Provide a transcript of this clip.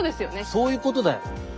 そういうことだよ。